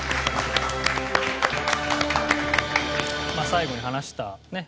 まあ最後に話したね